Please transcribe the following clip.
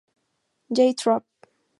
J. Trop.